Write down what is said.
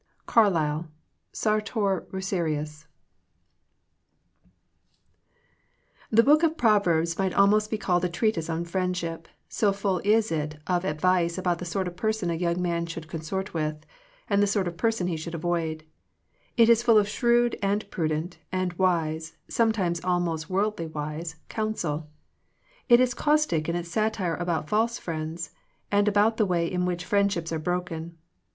Caklylb, Sartor Retartuu Digitized by VjOOQIC THE C ULTURE OF FRIENDSHIP H jHE Book of Proverbs might al most be called a treatise on Friendship, so full is it of ad vice about the sort of person a young man should consort with, and the sort of person he should avoid. It is full of shrewd, and prudent, and wise, some times almost worldly wise, counsel. It is caustic in its satire about false friends, and about the way in which friendships are broken.